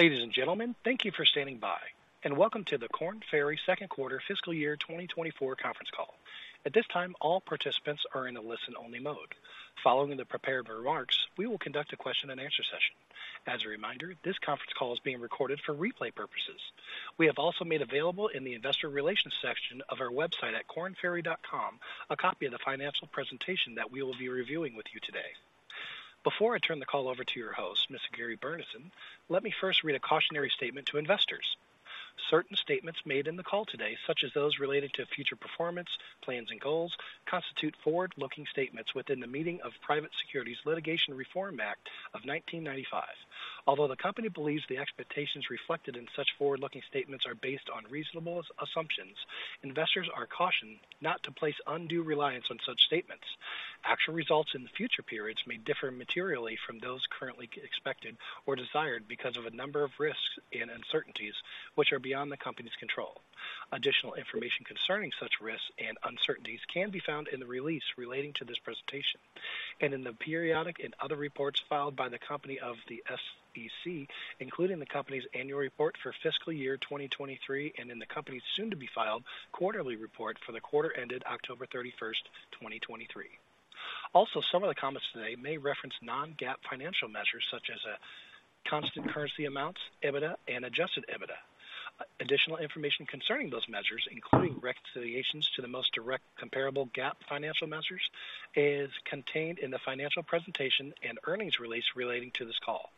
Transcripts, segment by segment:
Ladies and gentlemen, thank you for standing by, and welcome to the Korn Ferry second quarter fiscal year 2024 conference call. At this time, all participants are in a listen-only mode. Following the prepared remarks, we will conduct a question and answer session. As a reminder, this conference call is being recorded for replay purposes. We have also made available in the investor relations section of our website at kornferry.com, a copy of the financial presentation that we will be reviewing with you today. Before I turn the call over to your host, Mr. Gary Burnison, let me first read a cautionary statement to investors. Certain statements made in the call today, such as those related to future performance, plans, and goals, constitute forward-looking statements within the meaning of Private Securities Litigation Reform Act of 1995. Although the company believes the expectations reflected in such forward-looking statements are based on reasonable assumptions, investors are cautioned not to place undue reliance on such statements. Actual results in future periods may differ materially from those currently expected or desired because of a number of risks and uncertainties, which are beyond the company's control. Additional information concerning such risks and uncertainties can be found in the release relating to this presentation and in the periodic and other reports filed by the company with the SEC, including the company's annual report for fiscal year 2023, and in the company's soon-to-be-filed quarterly report for the quarter ended October 31, 2023. Also, some of the comments today may reference non-GAAP financial measures such as constant currency amounts, EBITDA, and Adjusted EBITDA. Additional information concerning those measures, including reconciliations to the most direct comparable GAAP financial measures, is contained in the financial presentation and earnings release relating to this call,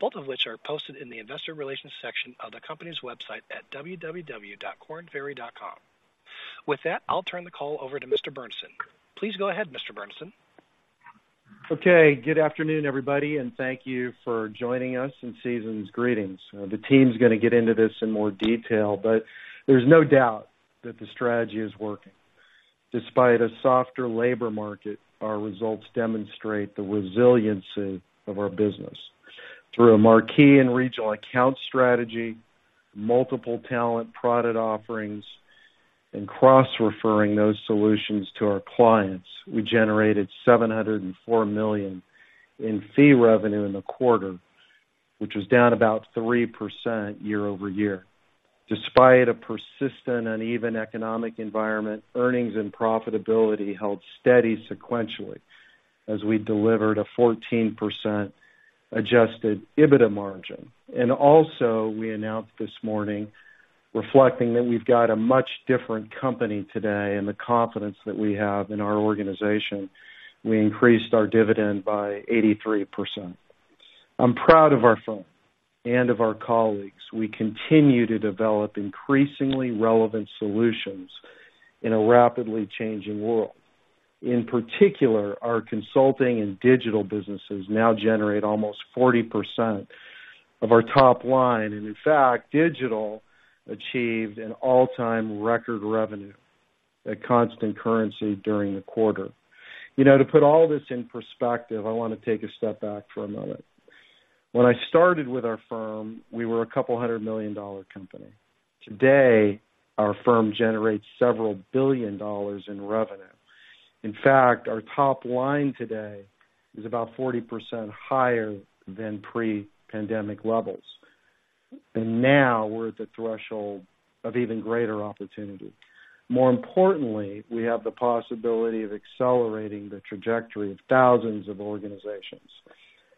both of which are posted in the investor relations section of the company's website at www.kornferry.com. With that, I'll turn the call over to Mr. Burnison. Please go ahead, Mr. Burnison. Okay, good afternoon, everybody, and thank you for joining us, and season's greetings. The team's gonna get into this in more detail, but there's no doubt that the strategy is working. Despite a softer labor market, our results demonstrate the resiliency of our business. Through a Marquee and Regional Accounts strategy, multiple talent product offerings, and cross-referring those solutions to our clients, we generated $704 million in fee revenue in the quarter, which was down about 3% year-over-year. Despite a persistent and even economic environment, earnings and profitability held steady sequentially as we delivered a 14% Adjusted EBITDA margin. And also we announced this morning, reflecting that we've got a much different company today and the confidence that we have in our organization, we increased our dividend by 83%. I'm proud of our firm and of our colleagues. We continue to develop increasingly relevant solutions in a rapidly changing world. In particular, our Consulting and Digital businesses now generate almost 40% of our top line, and in fact, Digital achieved an all-time record revenue at constant currency during the quarter. You know, to put all this in perspective, I wanna take a step back for a moment. When I started with our firm, we were a $200 million company. Today, our firm generates several billion dollars in revenue. In fact, our top line today is about 40% higher than pre-pandemic levels, and now we're at the threshold of even greater opportunity. More importantly, we have the possibility of accelerating the trajectory of thousands of organizations.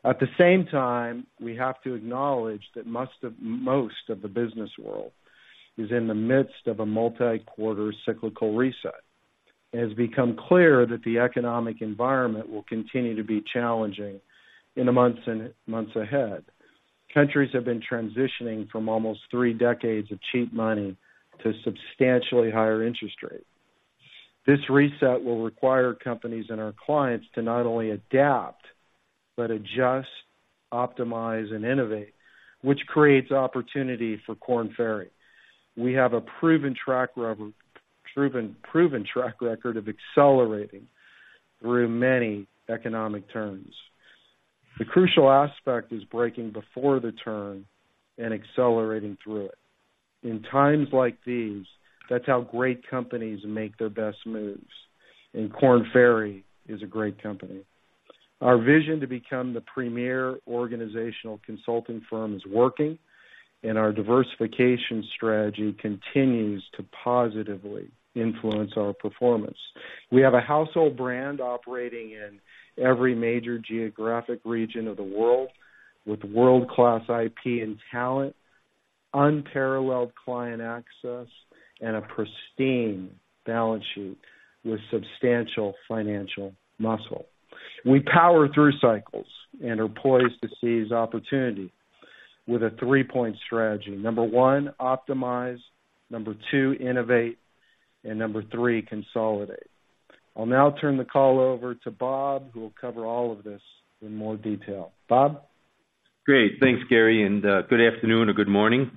At the same time, we have to acknowledge that most of, most of the business world is in the midst of a multi-quarter cyclical reset. It has become clear that the economic environment will continue to be challenging in the months ahead. Countries have been transitioning from almost three decades of cheap money to substantially higher interest rates. This reset will require companies and our clients to not only adapt, but adjust, optimize, and innovate, which creates opportunity for Korn Ferry. We have a proven track record of accelerating through many economic turns. The crucial aspect is breaking before the turn and accelerating through it. In times like these, that's how great companies make their best moves, and Korn Ferry is a great company. Our vision to become the premier organizational Consulting firm is working, and our diversification strategy continues to positively influence our performance. We have a household brand operating in every major geographic region of the world, with world-class IP and talent, unparalleled client access, and a pristine balance sheet with substantial financial muscle. We power through cycles and are poised to seize opportunity with a 3-point strategy. Number 1, optimize. Number 2, innovate, and number 3, consolidate. I'll now turn the call over to Bob, who will cover all of this in more detail. Bob? Great. Thanks, Gary, and good afternoon or good morning.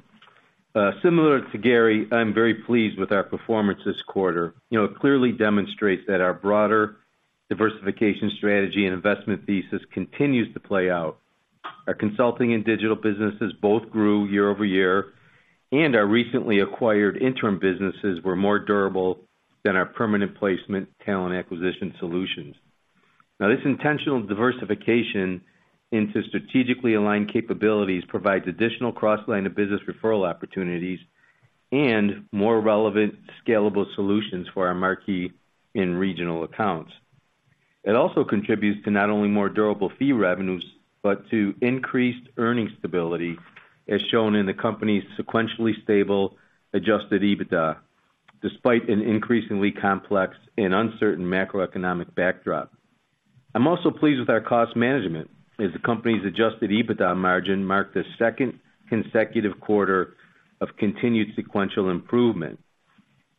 Similar to Gary, I'm very pleased with our performance this quarter. You know, it clearly demonstrates that our broader diversification strategy and investment thesis continues to play out. Our Consulting and Digital businesses both grew year over year, and our recently acquired Interim businesses were more durable than our permanent placement talent acquisition solutions. Now, this intentional diversification into strategically aligned capabilities provides additional cross line of business referral opportunities and more relevant, scalable solutions for our marquee and regional accounts. It also contributes to not only more durable fee revenues, but to increased earning stability, as shown in the company's sequentially stable Adjusted EBITDA, despite an increasingly complex and uncertain macroeconomic backdrop. I'm also pleased with our cost management, as the company's Adjusted EBITDA Margin marked the second consecutive quarter of continued sequential improvement.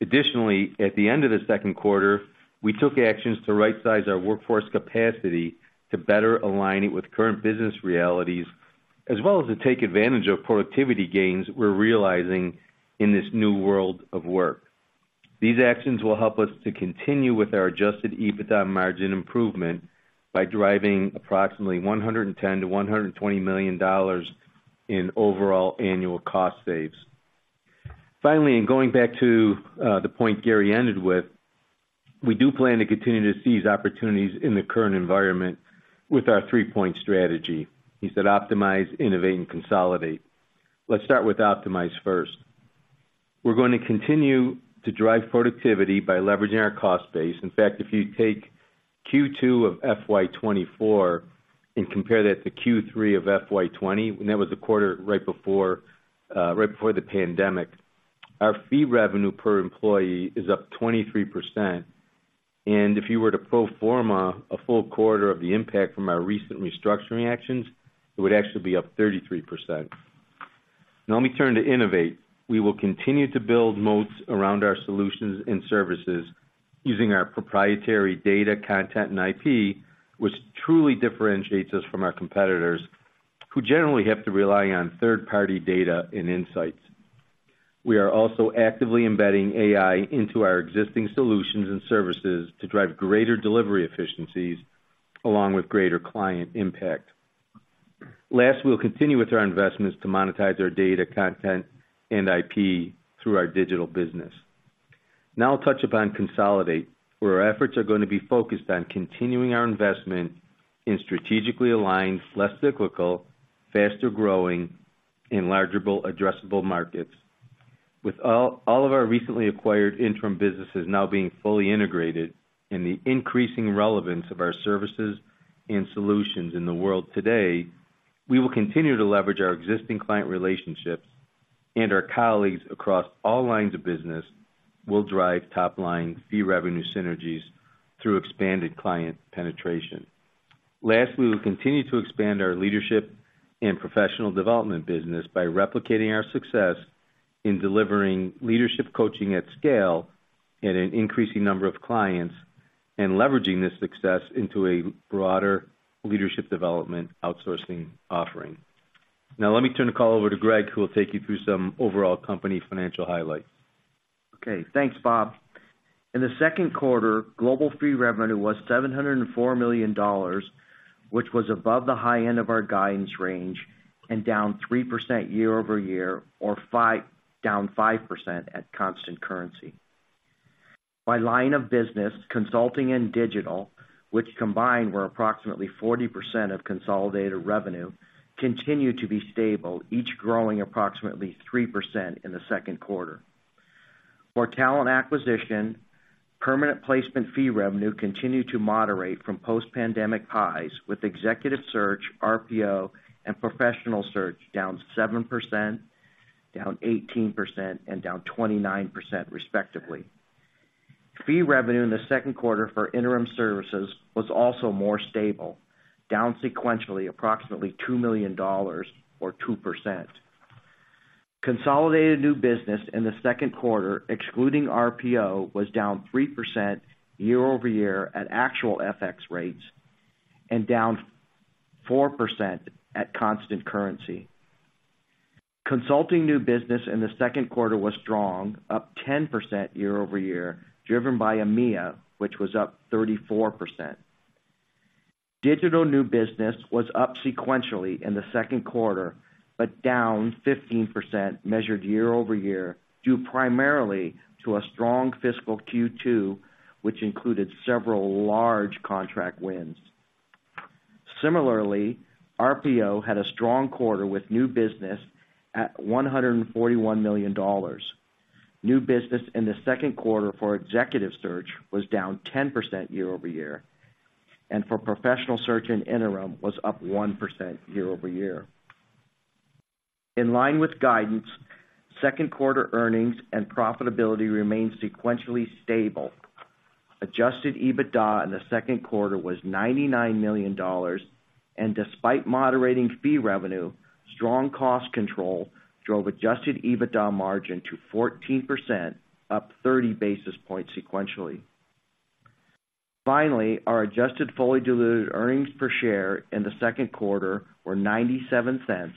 Additionally, at the end of the second quarter, we took actions to rightsize our workforce capacity to better align it with current business realities, as well as to take advantage of productivity gains we're realizing in this new world of work. These actions will help us to continue with our Adjusted EBITDA margin improvement by driving approximately $110 million-$120 million in overall annual cost saves. Finally, in going back to the point Gary ended with, we do plan to continue to seize opportunities in the current environment with our three-point strategy. He said, optimize, innovate, and consolidate. Let's start with optimize first. We're going to continue to drive productivity by leveraging our cost base. In fact, if you take Q2 of FY 2024 and compare that to Q3 of FY 2020, and that was the quarter right before the pandemic, our fee revenue per employee is up 23%. And if you were to pro forma a full quarter of the impact from our recent restructuring actions, it would actually be up 33%. Now, let me turn to innovate. We will continue to build moats around our solutions and services using our proprietary data, content, and IP, which truly differentiates us from our competitors, who generally have to rely on third-party data and insights. We are also actively embedding AI into our existing solutions and services to drive greater delivery efficiencies, along with greater client impact. Last, we'll continue with our investments to monetize our data, content, and IP through our Digital business. Now I'll touch upon consolidation, where our efforts are going to be focused on continuing our investment in strategically aligned, less cyclical, faster growing and large addressable markets. With all, all of our recently acquired Interim businesses now being fully integrated and the increasing relevance of our services and solutions in the world today, we will continue to leverage our existing client relationships, and our colleagues across all lines of business will drive top-line fee revenue synergies through expanded client penetration. Last, we will continue to expand our Leadership and Professional Development business by replicating our success in delivering leadership coaching at scale at an increasing number of clients and leveraging this success into a broader Leadership Development Outsourcing offering. Now, let me turn the call over to Gregg, who will take you through some overall company financial highlights. Okay, thanks, Bob. In the second quarter, global fee revenue was $704 million, which was above the high end of our guidance range and down 3% year-over-year, or down 5% at constant currency. By line of business, Consulting and Digital, which combined were approximately 40% of consolidated revenue, continued to be stable, each growing approximately 3% in the second quarter. For talent acquisition, permanent placement fee revenue continued to moderate from post-pandemic highs, with Executive Search, RPO, and Professional Search down 7%, down 18%, and down 29% respectively. Fee revenue in the second quarter for Interim Services was also more stable, down sequentially, approximately $2 million or 2%. Consolidated new business in the second quarter, excluding RPO, was down 3% year-over-year at actual FX rates and down 4% at constant currency. Consulting new business in the second quarter was strong, up 10% year-over-year, driven by EMEA, which was up 34%. Digital new business was up sequentially in the second quarter, but down 15% measured year-over-year, due primarily to a strong fiscal Q2, which included several large contract wins. Similarly, RPO had a strong quarter with new business at $141 million. New business in the second quarter for Executive Search was down 10% year-over-year, and for Professional Search and Interim was up 1% year-over-year. In line with guidance, second quarter earnings and profitability remained sequentially stable. Adjusted EBITDA in the second quarter was $99 million, and despite moderating fee revenue, strong cost control drove Adjusted EBITDA margin to 14%, up 30 basis points sequentially. Finally, our adjusted fully diluted earnings per share in the second quarter were $0.97,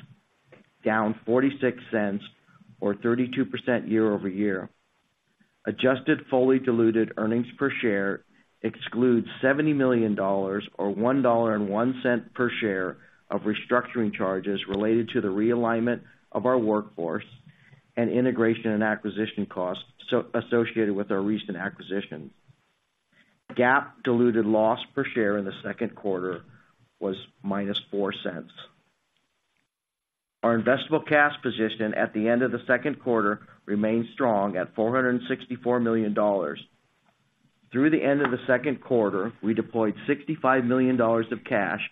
down $0.46 or 32% year-over-year. Adjusted fully diluted earnings per share excludes $70 million, or $1.01 per share of restructuring charges related to the realignment of our workforce and integration and acquisition costs, so associated with our recent acquisition. GAAP diluted loss per share in the second quarter was -$0.04. Our investable cash position at the end of the second quarter remained strong at $464 million. Through the end of the second quarter, we deployed $65 million of cash,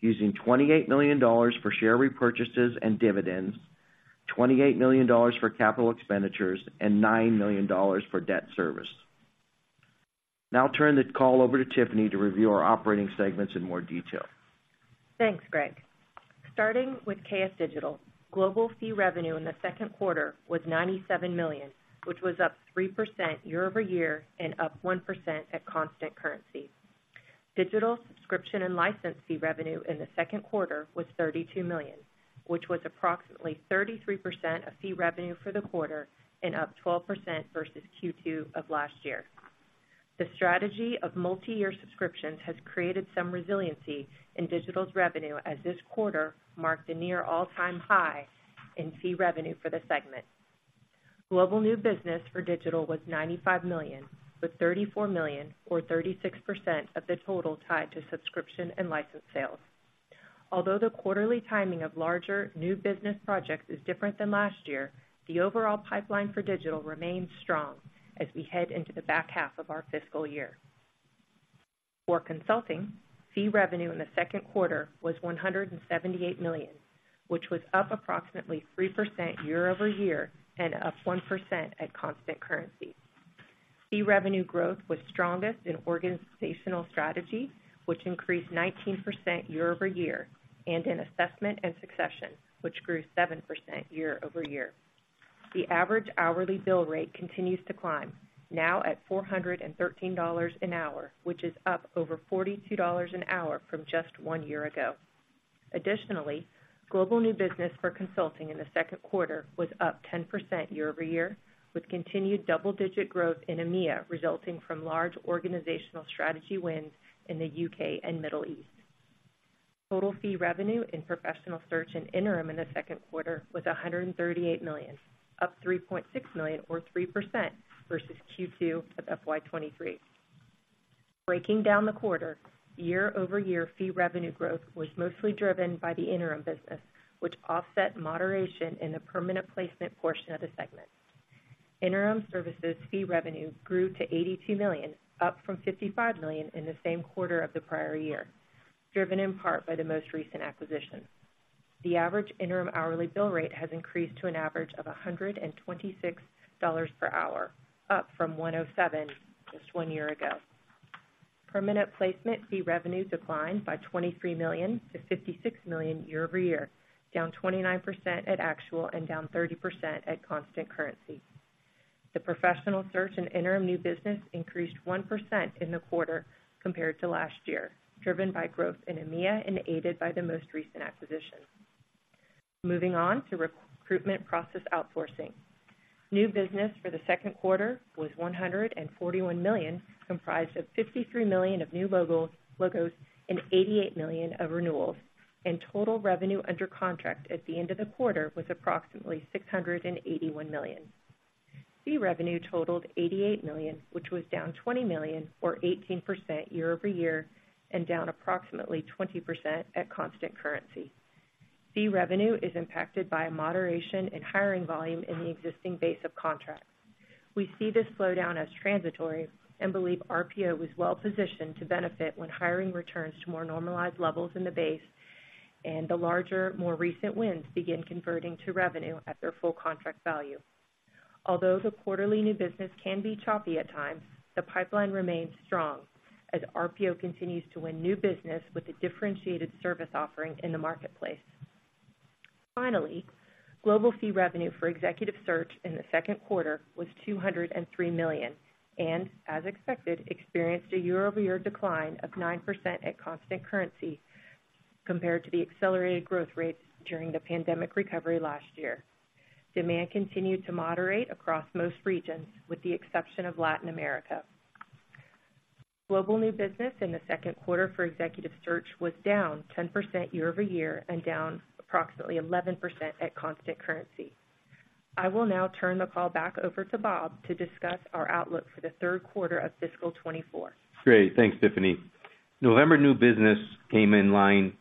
using $28 million for share repurchases and dividends, $28 million for capital expenditures, and $9 million for debt service. Now I'll turn the call over to Tiffany to review our operating segments in more detail. Thanks, Gregg. Starting with KF Digital, global fee revenue in the second quarter was $97 million, which was up 3% year-over-year and up 1% at constant currency. Digital subscription and license fee revenue in the second quarter was $32 million, which was approximately 33% of fee revenue for the quarter and up 12% versus Q2 of last year. The strategy of multiyear subscriptions has created some resiliency in Digital's revenue, as this quarter marked a near all-time high in fee revenue for the segment. Global new business for Digital was $95 million, with $34 million, or 36% of the total, tied to subscription and license sales. Although the quarterly timing of larger new business projects is different than last year, the overall pipeline for Digital remains strong as we head into the back half of our fiscal year. For Consulting, fee revenue in the second quarter was $178 million, which was up approximately 3% year-over-year and up 1% at constant currency. Fee revenue growth was strongest in Organizational Strategy, which increased 19% year-over-year, and in Assessment and Succession, which grew 7% year-over-year. The average hourly bill rate continues to climb, now at $413 an hour, which is up over $42 an hour from just 1 year ago. Additionally, global new business for Consulting in the second quarter was up 10% year-over-year, with continued double-digit growth in EMEA, resulting from large Organizational Strategy wins in the UK and Middle East. Total fee revenue in Professional Search and Interim in the second quarter was $138 million, up $3.6 million or 3% versus Q2 of FY 2023. Breaking down the quarter, year-over-year fee revenue growth was mostly driven by the Interim business, which offset moderation in the permanent placement portion of the segment. Interim services fee revenue grew to $82 million, up from $55 million in the same quarter of the prior year, driven in part by the most recent acquisition. The average Interim hourly bill rate has increased to an average of $126 per hour, up from $107 just one year ago. Permanent placement fee revenue declined by $23 million to $56 million year-over-year, down 29% at actual and down 30% at constant currency. The Professional Search and Interim new business increased 1% in the quarter compared to last year, driven by growth in EMEA and aided by the most recent acquisition. Moving on to Recruitment Process Outsourcing. New business for the second quarter was $141 million, comprised of $53 million of new logos and $88 million of renewals, and total revenue under contract at the end of the quarter was approximately $681 million. Fee revenue totaled $88 million, which was down $20 million or 18% year-over-year and down approximately 20% at constant currency. Fee revenue is impacted by a moderation in hiring volume in the existing base of contracts. We see this slowdown as transitory and believe RPO is well positioned to benefit when hiring returns to more normalized levels in the base, and the larger, more recent wins begin converting to revenue at their full contract value. Although the quarterly new business can be choppy at times, the pipeline remains strong as RPO continues to win new business with a differentiated service offering in the marketplace. Finally, global fee revenue for Executive Search in the second quarter was $203 million, and as expected, experienced a year-over-year decline of 9% at constant currency compared to the accelerated growth rates during the pandemic recovery last year. Demand continued to moderate across most regions, with the exception of Latin America. Global new business in the second quarter for Executive Search was down 10% year-over-year and down approximately 11% at constant currency. I will now turn the call back over to Bob to discuss our outlook for the third quarter of fiscal 2024. Great. Thanks, Tiffany. November new business came in line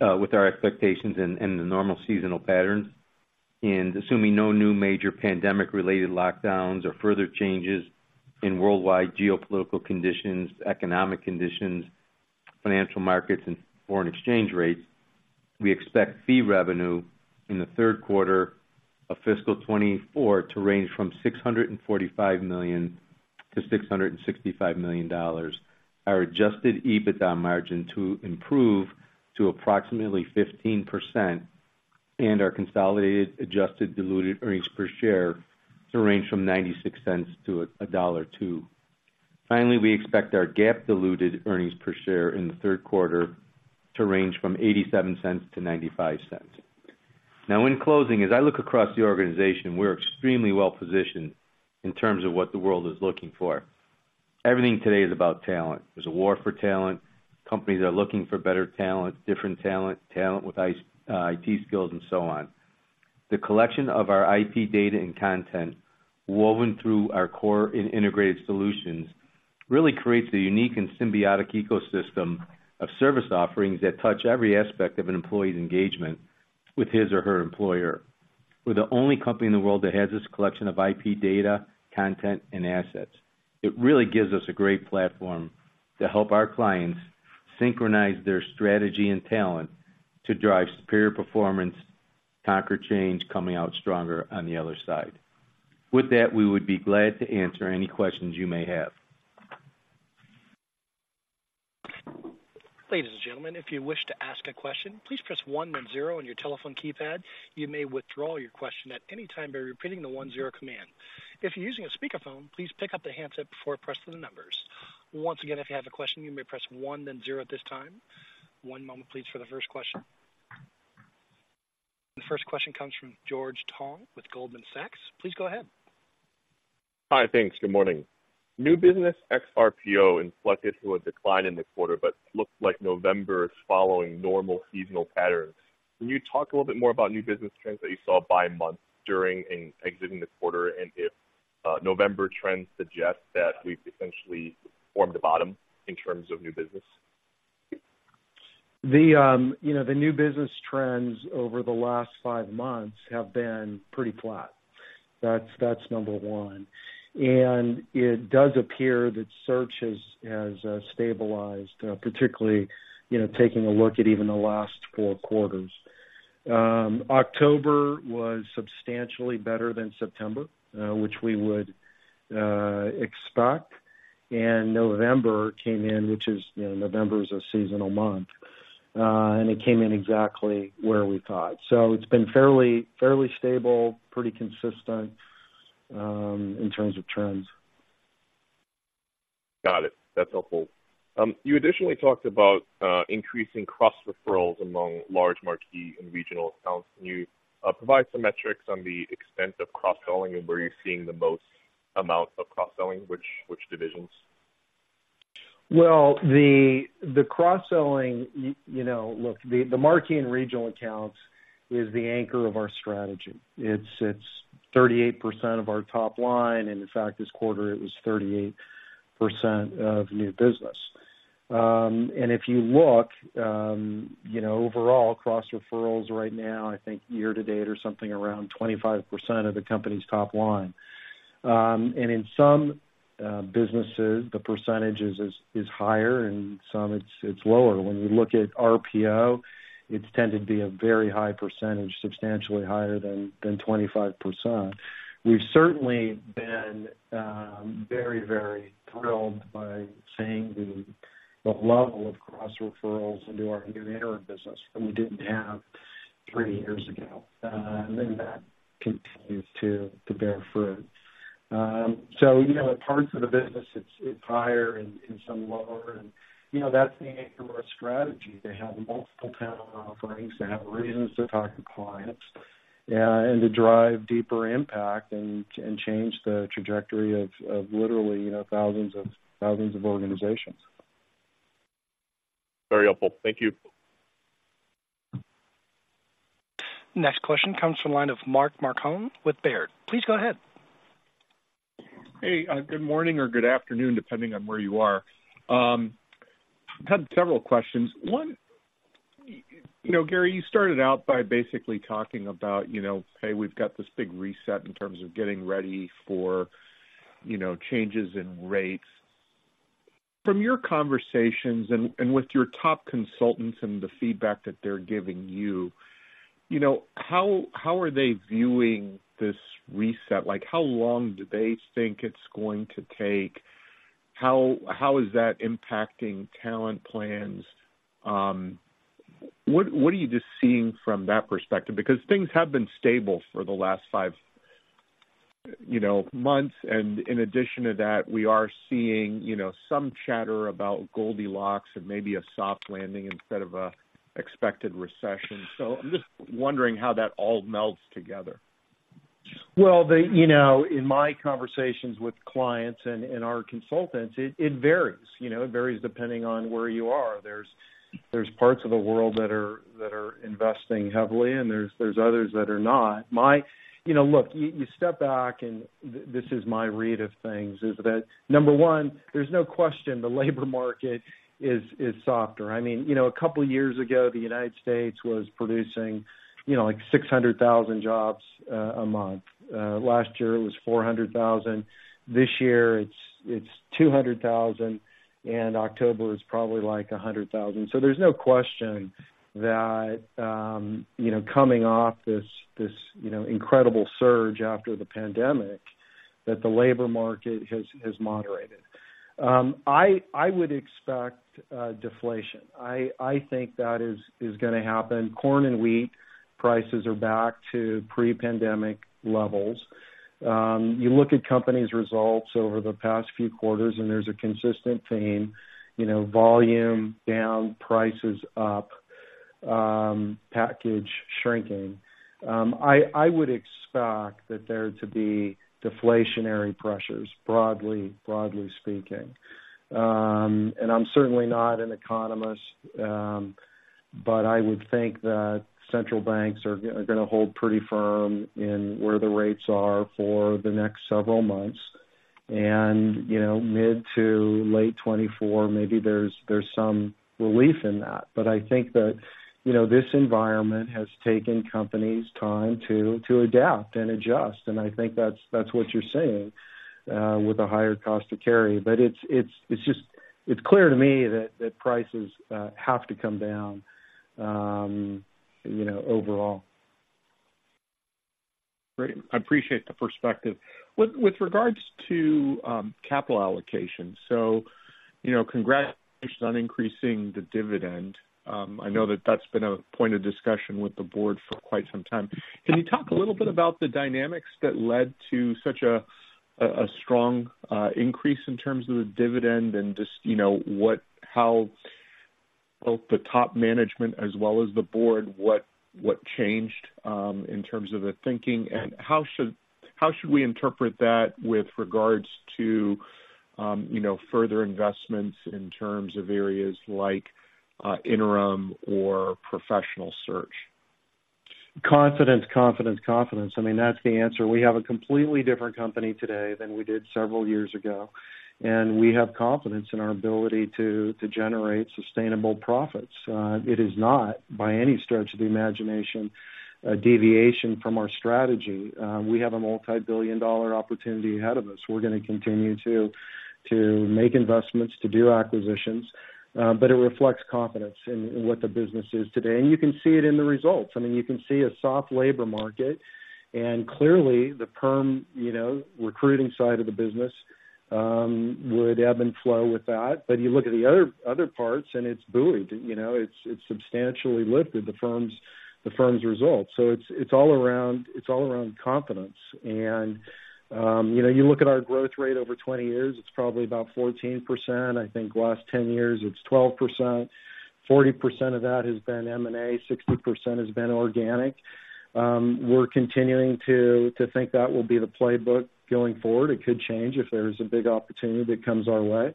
with our expectations and the normal seasonal patterns. Assuming no new major pandemic-related lockdowns or further changes in worldwide geopolitical conditions, economic conditions, financial markets, and foreign exchange rates, we expect fee revenue in the third quarter of fiscal 2024 to range from $645 million-$665 million, our Adjusted EBITDA margin to improve to approximately 15%, and our consolidated adjusted diluted earnings per share to range from $0.96-$1.02. Finally, we expect our GAAP diluted earnings per share in the third quarter to range from $0.87-$0.95. Now, in closing, as I look across the organization, we're extremely well-positioned in terms of what the world is looking for. Everything today is about talent. There's a war for talent. Companies are looking for better talent, different talent, talent with IT skills, and so on. The collection of our IP data and content woven through our core and integrated solutions really creates a unique and symbiotic ecosystem of service offerings that touch every aspect of an employee's engagement with his or her employer. We're the only company in the world that has this collection of IP data, content, and assets. It really gives us a great platform to help our clients synchronize their strategy and talent to drive superior performance, conquer change, coming out stronger on the other side. With that, we would be glad to answer any questions you may have. Ladies and gentlemen, if you wish to ask a question, please press one, then zero on your telephone keypad. You may withdraw your question at any time by repeating the one zero command. If you're using a speakerphone, please pick up the handset before pressing the numbers. Once again, if you have a question, you may press one, then zero at this time. One moment, please, for the first question. The first question comes from George Tong with Goldman Sachs. Please go ahead. Hi, thanks. Good morning. New business ex RPO inflected to a decline in the quarter, but looked like November is following normal seasonal patterns. Can you talk a little bit more about new business trends that you saw by month during and exiting the quarter, and if November trends suggest that we've essentially formed a bottom in terms of new business? You know, the new business trends over the last five months have been pretty flat. That's number one. It does appear that search has stabilized, particularly, you know, taking a look at even the last four quarters. October was substantially better than September, which we would expect, and November came in, which is, you know, November is a seasonal month, and it came in exactly where we thought. It's been fairly stable, pretty consistent, in terms of trends. Got it. That's helpful. You additionally talked about increasing cross-referrals among large marquee and regional accounts. Can you provide some metrics on the extent of cross-selling and where you're seeing the most amount of cross-selling, which divisions? Well, the cross-selling, you know, look, the marquee and regional accounts is the anchor of our strategy. It's thirty-eight percent of our top line, and in fact, this quarter it was 38% of new business. And if you look, you know, overall cross referrals right now, I think year to date or something around 25% of the company's top line. And in some businesses, the percentage is higher, and some it's lower. When you look at RPO, it's tended to be a very high percentage, substantially higher than 25%. We've certainly been very, very thrilled by seeing the level of cross-referrals into our new Interim business that we didn't have three years ago, and that continues to bear fruit. So, you know, parts of the business, it's higher and some lower, and, you know, that's the anchor of our strategy, to have multiple talent offerings, to have reasons to talk to clients, and to drive deeper impact and change the trajectory of literally, you know, thousands of organizations. Very helpful. Thank you. Next question comes from the line of Mark Marcon with Baird. Please go ahead. Hey, good morning or good afternoon, depending on where you are. I have several questions. One, you know, Gary, you started out by basically talking about, you know, hey, we've got this big reset in terms of getting ready for, you know, changes in rates. From your conversations and with your top consultants and the feedback that they're giving you, you know, how are they viewing this reset? Like, how long do they think it's going to take? How is that impacting talent plans? What are you just seeing from that perspective? Because things have been stable for the last five, you know, months, and in addition to that, we are seeing, you know, some chatter about Goldilocks and maybe a soft landing instead of an expected recession. So I'm just wondering how that all melds together. Well, you know, in my conversations with clients and our consultants, it varies. You know, it varies depending on where you are. There's parts of the world that are investing heavily, and there's others that are not. You know, look, you step back, and this is my read of things, is that, number one, there's no question the labor market is softer. I mean, you know, a couple of years ago, the United States was producing, you know, like 600,000 jobs a month. Last year it was 400,000. This year it's 200,000, and October is probably like 100,000. So there's no question that, you know, coming off this, you know, incredible surge after the pandemic, that the labor market has moderated. I would expect deflation. I think that is gonna happen. Corn and wheat prices are back to pre-pandemic levels. You look at companies' results over the past few quarters, and there's a consistent theme, you know, volume down, prices up... package shrinking. I would expect that there to be deflationary pressures, broadly, broadly speaking. I'm certainly not an economist, but I would think that central banks are gonna hold pretty firm in where the rates are for the next several months. You know, mid to late 2024, maybe there's some relief in that. But I think that, you know, this environment has taken companies time to adapt and adjust, and I think that's what you're seeing with a higher cost to carry. But it's just clear to me that prices have to come down, you know, overall. Great. I appreciate the perspective. With regards to capital allocation, so, you know, congratulations on increasing the dividend. I know that that's been a point of discussion with the board for quite some time. Can you talk a little bit about the dynamics that led to such a strong increase in terms of the dividend and just, you know, what- how both the top management as well as the board, what changed in terms of the thinking? And how should we interpret that with regards to, you know, further investments in terms of areas like Interim or Professional Search? Confidence, confidence, confidence. I mean, that's the answer. We have a completely different company today than we did several years ago, and we have confidence in our ability to generate sustainable profits. It is not, by any stretch of the imagination, a deviation from our strategy. We have a multi-billion dollar opportunity ahead of us. We're gonna continue to make investments, to do acquisitions, but it reflects confidence in what the business is today. And you can see it in the results. I mean, you can see a soft labor market, and clearly the perm, you know, recruiting side of the business would ebb and flow with that. But you look at the other parts and it's buoyed, you know, it's substantially lifted the firm's results. So it's all around confidence. You know, you look at our growth rate over 20 years, it's probably about 14%. I think the last 10 years, it's 12%. 40% of that has been M&A, 60% has been organic. We're continuing to think that will be the playbook going forward. It could change if there's a big opportunity that comes our way.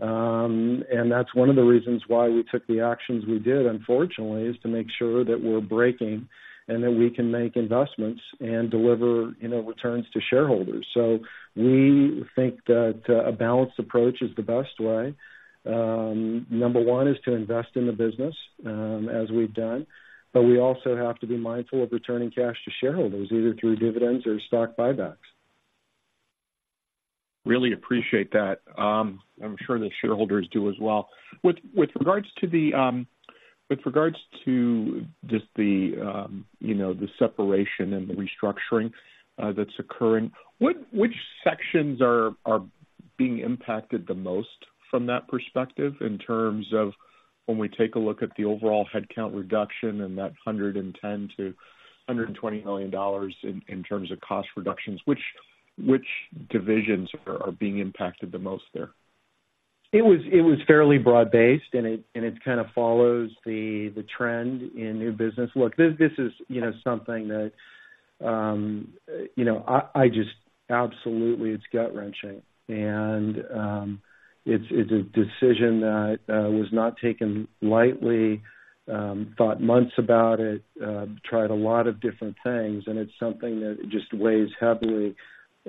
And that's one of the reasons why we took the actions we did, unfortunately, is to make sure that we're breaking even and that we can make investments and deliver, you know, returns to shareholders. So we think that a balanced approach is the best way. Number one is to invest in the business, as we've done, but we also have to be mindful of returning cash to shareholders, either through dividends or stock buybacks. Really appreciate that. I'm sure the shareholders do as well. With regards to just the, you know, the separation and the restructuring that's occurring, which sections are being impacted the most from that perspective in terms of when we take a look at the overall headcount reduction and that $110 million-$120 million in terms of cost reductions, which divisions are being impacted the most there? It was fairly broad-based, and it kind of follows the trend in new business. Look, this is, you know, something that, you know, I just... Absolutely, it's gut-wrenching, and it's a decision that was not taken lightly. Thought months about it, tried a lot of different things, and it's something that just weighs heavily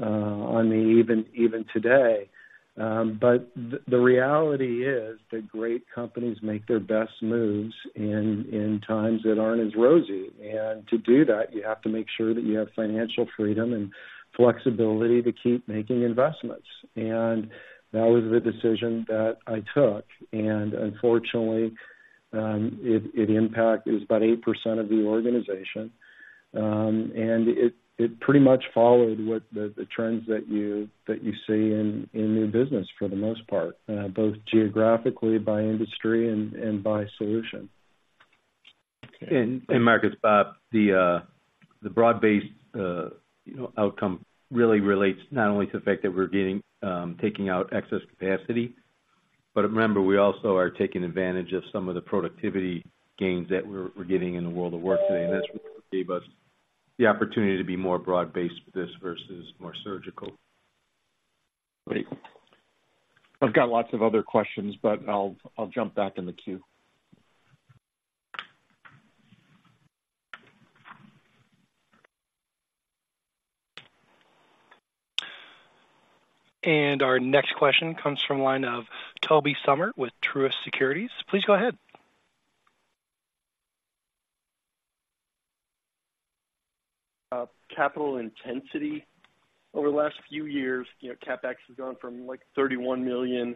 on me, even today. But the reality is that great companies make their best moves in times that aren't as rosy. And to do that, you have to make sure that you have financial freedom and flexibility to keep making investments. And that was the decision that I took, and unfortunately, it impacted about 8% of the organization. It pretty much followed what the trends that you see in new business for the most part, both geographically, by industry, and by solution. Mark, Bob, the broad-based, you know, outcome really relates not only to the fact that we're getting taking out excess capacity, but remember, we also are taking advantage of some of the productivity gains that we're, we're getting in the world of work today, and this gave us the opportunity to be more broad-based with this versus more surgical. Great. I've got lots of other questions, but I'll jump back in the queue. Our next question comes from line of Toby Sommer with Truist Securities. Please go ahead. Capital intensity over the last few years, you know, CapEx has gone from, like, $31 million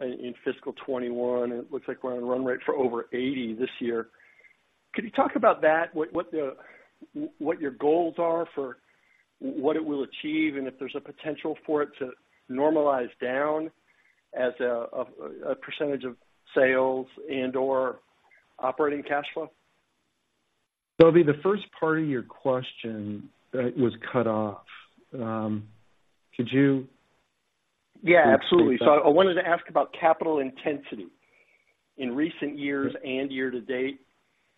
in fiscal 2021, and it looks like we're on a run rate for over $80 million this year. Could you talk about that? What your goals are for what it will achieve, and if there's a potential for it to normalize down as a percentage of sales and/or operating cash flow? Toby, the first part of your question was cut off. Could you- Yeah, absolutely. So I wanted to ask about capital intensity. In recent years and year to date,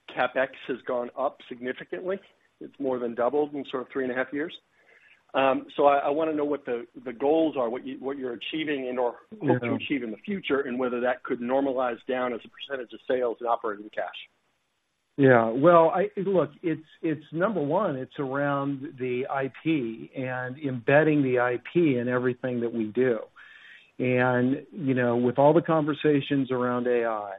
CapEx has gone up significantly. It's more than doubled in sort of three and a half years. So I wanna know what the goals are, what you're achieving and or hope to achieve in the future, and whether that could normalize down as a percentage of sales and operating cash. Yeah. Well, look, it's, it's number one, it's around the IP and embedding the IP in everything that we do. And, you know, with all the conversations around AI,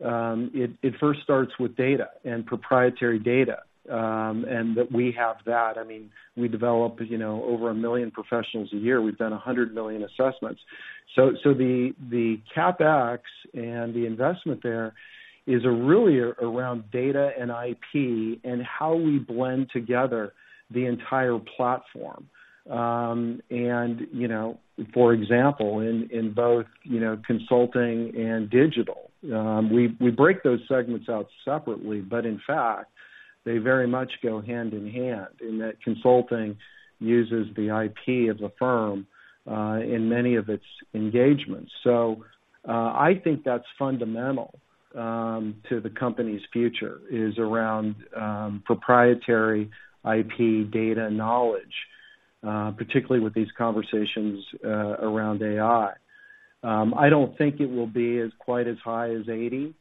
it, it first starts with data and proprietary data, and that we have that. I mean, we develop, you know, over 1 million professionals a year. We've done 100 million assessments. So, so the, the CapEx and the investment there is really around data and IP and how we blend together the entire platform. And, you know, for example, in, in both, you know, Consulting and Digital, we, we break those segments out separately, but in fact, they very much go hand in hand in that Consulting uses the IP of the firm, in many of its engagements. So, I think that's fundamental to the company's future, is around proprietary IP data knowledge, particularly with these conversations around AI. I don't think it will be as quite as high as 80,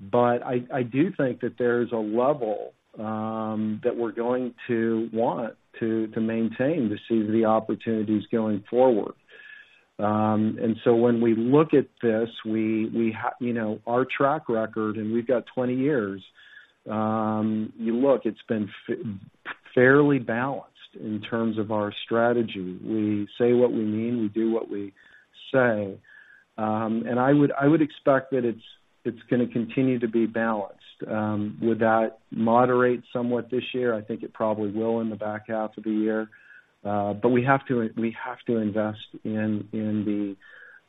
but I do think that there's a level that we're going to want to maintain to see the opportunities going forward. And so when we look at this, we you know, our track record, and we've got 20 years, you look, it's been fairly balanced in terms of our strategy. We say what we mean, we do what we say. And I would expect that it's gonna continue to be balanced. Would that moderate somewhat this year? I think it probably will in the back half of the year. But we have to, we have to invest in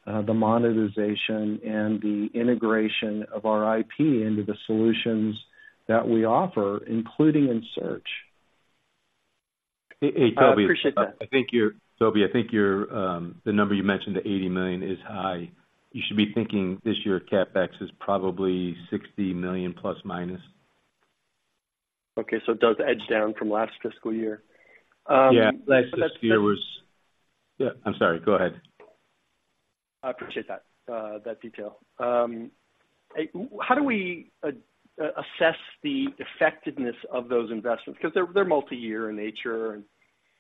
the monetization and the integration of our IP into the solutions that we offer, including in search. Hey, hey, Toby- I appreciate that. I think you're, Toby, the number you mentioned, the $80 million, is high. You should be thinking this year, CapEx is probably $60 million plus minus. Okay, so it does edge down from last fiscal year. Yeah, last year was... Yeah, I'm sorry. Go ahead. I appreciate that, that detail. How do we assess the effectiveness of those investments? Because they're, they're multi-year in nature, and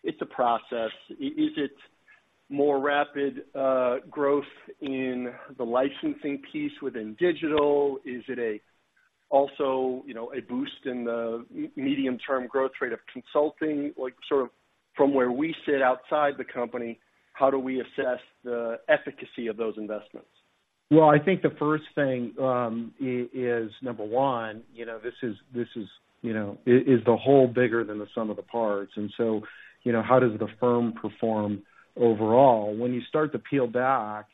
it's a process. Is it more rapid growth in the licensing piece within Digital? Is it also, you know, a boost in the medium-term growth rate of Consulting? Like, sort of from where we sit outside the company, how do we assess the efficacy of those investments? Well, I think the first thing is, number one, you know, this is, this is, you know, is the whole bigger than the sum of the parts? And so, you know, how does the firm perform overall? When you start to peel back,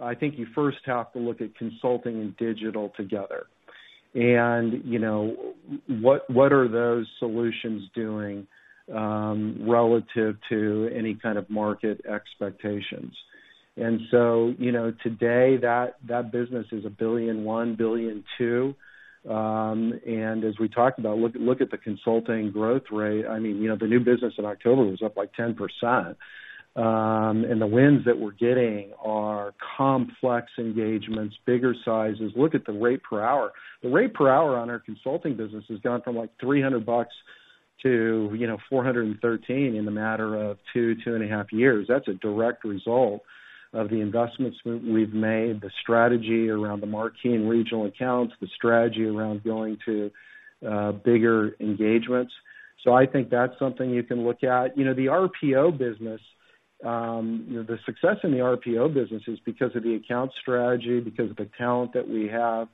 I think you first have to look at Consulting and Digital together. And, you know, what, what are those solutions doing, relative to any kind of market expectations? And so, you know, today, that, that business is $1.1 billion-$1.2 billion. And as we talked about, look, look at the Consulting growth rate. I mean, you know, the new business in October was up, like, 10%. And the wins that we're getting are complex engagements, bigger sizes. Look at the rate per hour. The rate per hour on our Consulting business has gone from, like, $300 to, you know, $413 in a matter of 2-2.5 years. That's a direct result of the investments we, we've made, the strategy around the Marquee and Regional Accounts, the strategy around going to bigger engagements. So I think that's something you can look at. You know, the RPO business, the success in the RPO business is because of the account strategy, because of the talent that we have.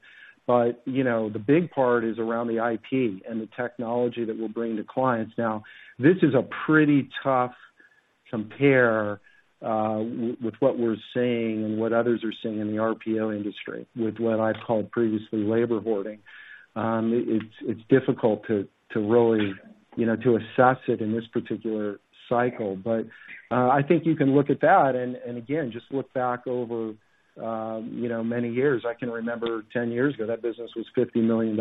But, you know, the big part is around the IP and the technology that we're bringing to clients. Now, this is a pretty tough compare with what we're seeing and what others are seeing in the RPO industry, with what I've called previously labor hoarding. It's difficult to really, you know, to assess it in this particular cycle. But I think you can look at that, and again, just look back over, you know, many years. I can remember 10 years ago, that business was $50 million.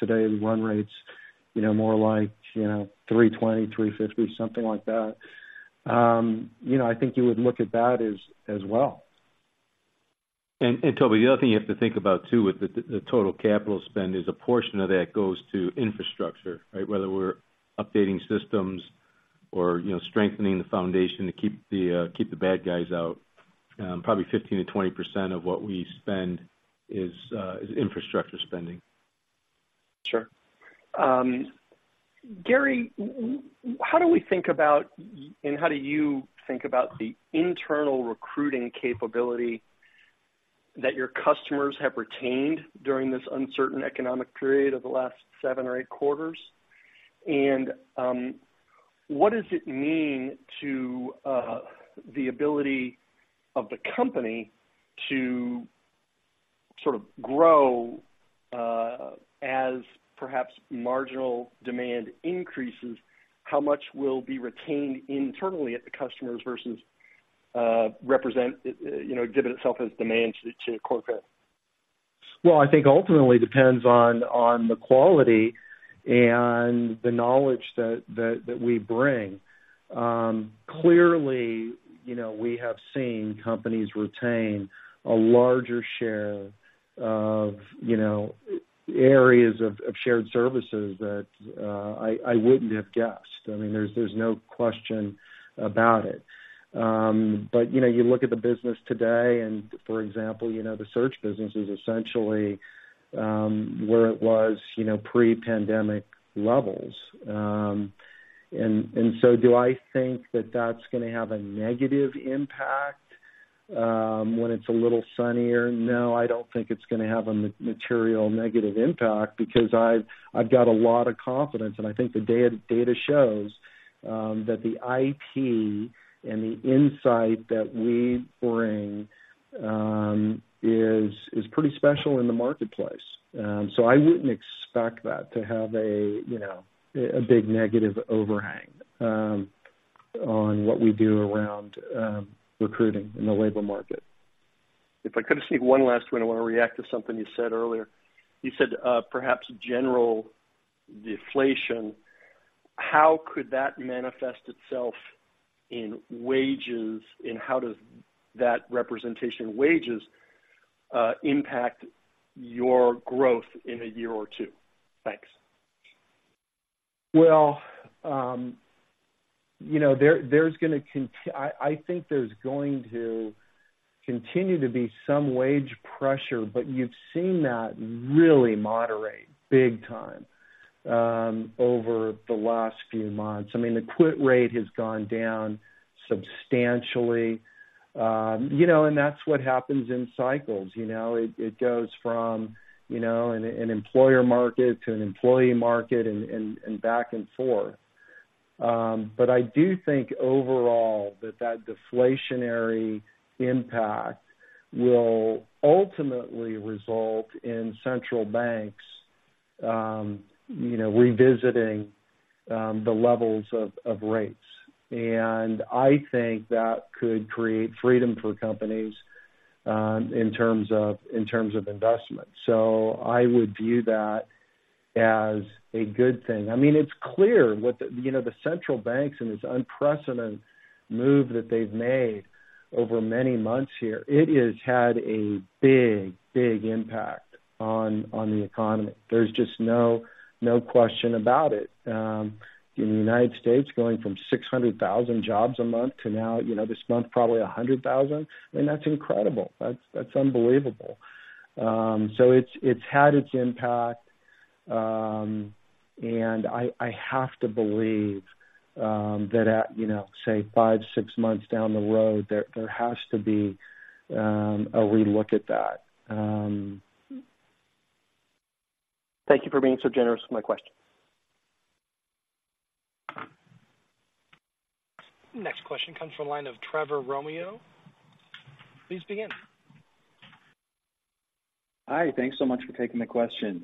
Today, we run rates, you know, more like, you know, 320, 350, something like that. You know, I think you would look at that, as well. Toby, the other thing you have to think about, too, with the total capital spend is a portion of that goes to infrastructure, right? Whether we're updating systems or, you know, strengthening the foundation to keep the bad guys out. Probably 15%-20% of what we spend is infrastructure spending. Sure. Gary, how do we think about, and how do you think about the internal recruiting capability that your customers have retained during this uncertain economic period of the last seven or eight quarters? And, what does it mean to the ability of the company to sort of grow, as perhaps marginal demand increases? How much will be retained internally at the customers versus represent, you know, give itself as demand to corporate? Well, I think it ultimately depends on the quality and the knowledge that we bring. Clearly, you know, we have seen companies retain a larger share of, you know, areas of shared services that I wouldn't have guessed. I mean, there's no question about it. But, you know, you look at the business today, and for example, you know, the search business is essentially where it was, you know, pre-pandemic levels. And so do I think that that's gonna have a negative impact when it's a little sunnier? No, I don't think it's gonna have a material negative impact because I've got a lot of confidence, and I think the data shows that the IQ and the insight that we bring is pretty special in the marketplace. So I wouldn't expect that to have a, you know, big negative overhang on what we do around recruiting in the labor market. If I could sneak one last one, I wanna react to something you said earlier. You said, perhaps general deflation. How could that manifest itself in wages, and how does that representation in wages, impact your growth in a year or two? Thanks. Well, you know, there, there's going to continue to be some wage pressure, but you've seen that really moderate big time over the last few months. I mean, the quit rate has gone down substantially. You know, and that's what happens in cycles. You know, it goes from you know, an employer market to an employee market and back and forth. But I do think overall that deflationary impact will ultimately result in central banks you know, revisiting the levels of rates. And I think that could create freedom for companies in terms of investment. So I would view that as a good thing. I mean, it's clear with the, you know, the central banks and this unprecedented move that they've made over many months here, it has had a big, big impact on the economy. There's just no question about it. In the United States, going from 600,000 jobs a month to now, you know, this month, probably 100,000, I mean, that's incredible. That's unbelievable. So it's had its impact. And I have to believe that at, you know, say, 5, 6 months down the road, there has to be a relook at that. Thank you for being so generous with my question. Next question comes from the line of Trevor Romeo. Please begin. Hi, thanks so much for taking the questions.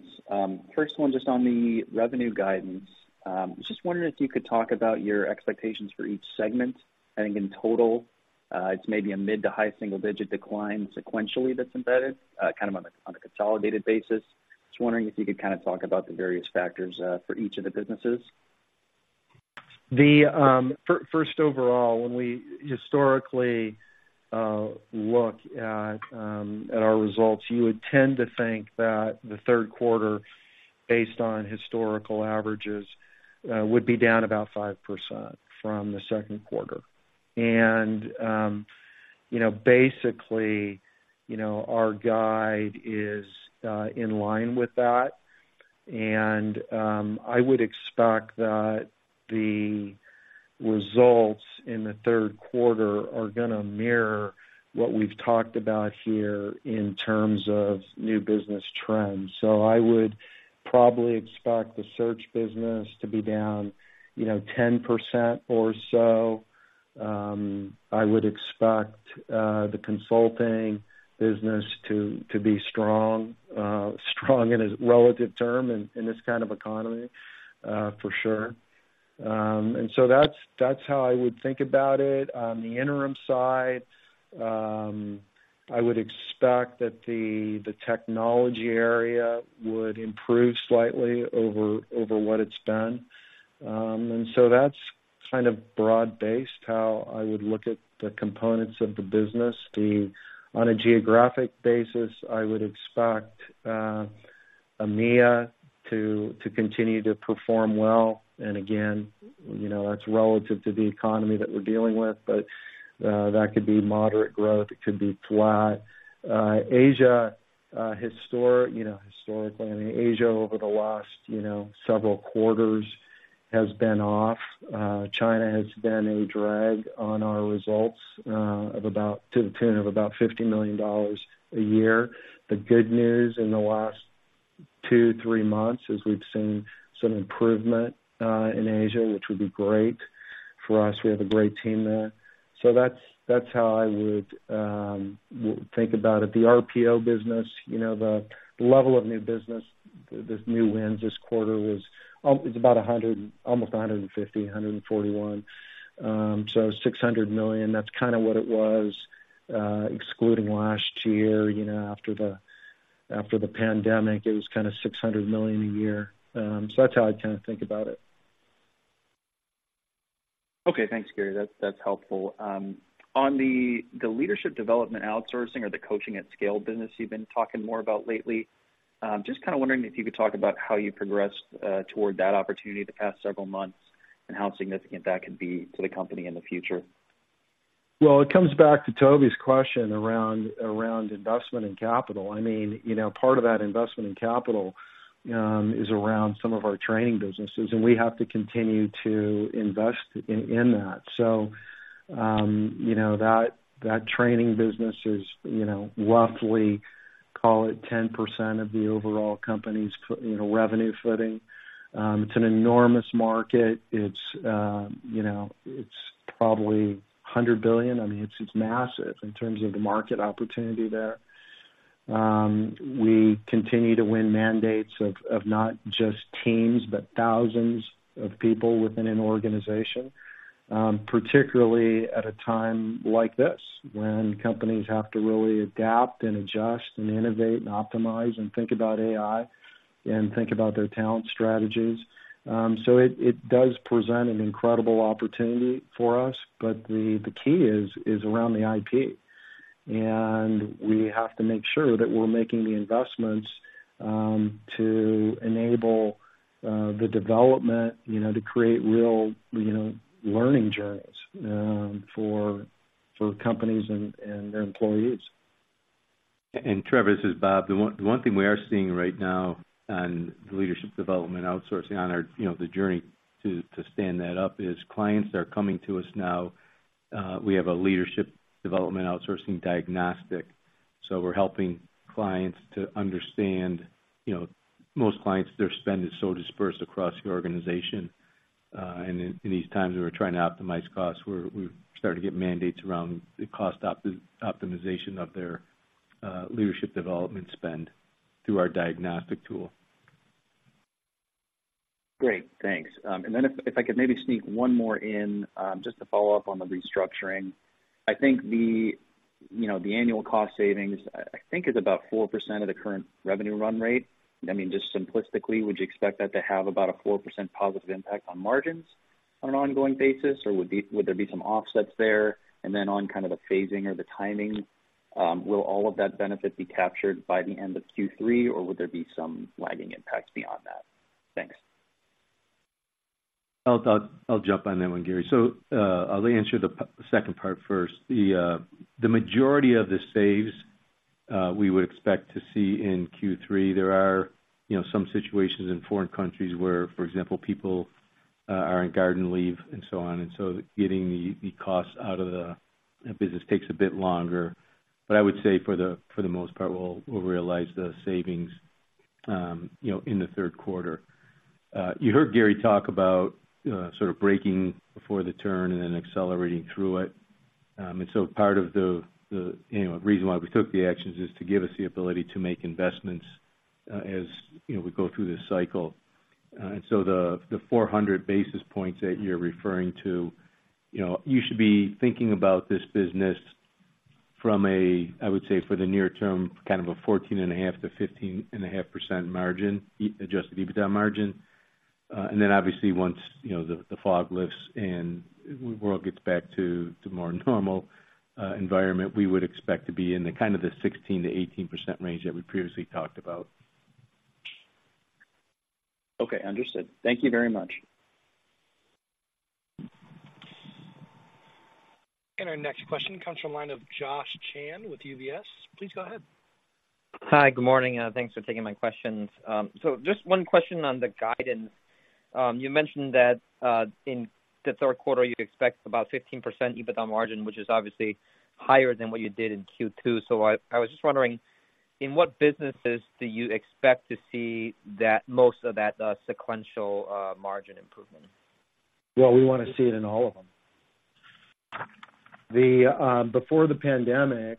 First one, just on the revenue guidance. I was just wondering if you could talk about your expectations for each segment. I think in total, it's maybe a mid- to high-single-digit decline sequentially that's embedded, kind of on a consolidated basis. Just wondering if you could kind of talk about the various factors for each of the businesses. First, overall, when we historically look at our results, you would tend to think that the third quarter, based on historical averages, would be down about 5% from the second quarter. And you know, basically, you know, our guide is in line with that. And I would expect that the results in the third quarter are gonna mirror what we've talked about here in terms of new business trends. So I would probably expect the search business to be down, you know, 10% or so. I would expect the Consulting business to be strong, strong in a relative term, in this kind of economy, for sure. And so that's how I would think about it. On the Interim side, I would expect that the, the technology area would improve slightly over, over what it's been. And so that's kind of broad-based, how I would look at the components of the business. On a geographic basis, I would expect EMEA to, to continue to perform well. And again, you know, that's relative to the economy that we're dealing with. But that could be moderate growth, it could be flat. Asia, historically, I mean, Asia, over the last, you know, several quarters has been off. China has been a drag on our results, of about, to the tune of about $50 million a year. The good news in the last 2-3 months as we've seen some improvement in Asia, which would be great for us. We have a great team there. So that's how I would think about it. The RPO business, you know, the level of new business, the new wins this quarter was, it's about 100, almost 150, 141. So $600 million, that's kind of what it was, excluding last year, you know, after the pandemic, it was kind of $600 million a year. So that's how I'd kind of think about it. Okay, thanks, Gary. That's, that's helpful. On the leadership development outsourcing or the coaching at scale business you've been talking more about lately, just kind of wondering if you could talk about how you progressed toward that opportunity the past several months, and how significant that could be to the company in the future? Well, it comes back to Toby's question around investment and capital. I mean, you know, part of that investment in capital is around some of our training businesses, and we have to continue to invest in that. So, you know, that training business is, you know, roughly, call it 10% of the overall company's you know, revenue footing. It's an enormous market. It's, you know, it's probably $100 billion. I mean, it's massive in terms of the market opportunity there. We continue to win mandates of not just teams, but thousands of people within an organization, particularly at a time like this, when companies have to really adapt and adjust and innovate and optimize and think about AI and think about their talent strategies. So it does present an incredible opportunity for us, but the key is around the IP. And we have to make sure that we're making the investments to enable the development, you know, to create real, you know, learning journeys for companies and their employees. Trevor, this is Bob. The one thing we are seeing right now on the Leadership Development outsourcing on our, you know, the journey to stand that up, is clients that are coming to us now. We have a Leadership Development outsourcing diagnostic. So we're helping clients to understand, you know, most clients, their spend is so dispersed across the organization, and in these times, we're trying to optimize costs. We're starting to get mandates around the cost optimization of their leadership development spend through our diagnostic tool. Great, thanks. And then if I could maybe sneak one more in, just to follow up on the restructuring. I think the, you know, the annual cost savings is about 4% of the current revenue run rate. I mean, just simplistically, would you expect that to have about a 4% positive impact on margins on an ongoing basis, or would there be some offsets there? And then on kind of the phasing or the timing, will all of that benefit be captured by the end of Q3, or would there be some lagging impacts beyond that? Thanks. I'll jump on that one, Gary. So, I'll answer the second part first. The majority of the saves we would expect to see in Q3. There are, you know, some situations in foreign countries where, for example, people are on garden leave and so on, and so getting the costs out of the business takes a bit longer. But I would say for the most part, we'll realize the savings, you know, in the third quarter. You heard Gary talk about sort of breaking before the turn and then accelerating through it. And so part of the reason why we took the actions is to give us the ability to make investments as you know we go through this cycle. And so the 400 basis points that you're referring to, you know, you should be thinking about this business from a, I would say, for the near term, kind of a 14.5%-15.5% margin, Adjusted EBITDA margin. And then obviously, once, you know, the fog lifts and the world gets back to a more normal environment, we would expect to be in the kind of the 16%-18% range that we previously talked about. Okay, understood. Thank you very much. And our next question comes from line of Josh Chan with UBS. Please go ahead. Hi, good morning, thanks for taking my questions. So just one question on the guidance. You mentioned that, in the third quarter, you'd expect about 15% EBITDA margin, which is obviously higher than what you did in Q2. So I, I was just wondering, in what businesses do you expect to see that most of that, sequential, margin improvement? Well, we want to see it in all of them. The before the pandemic,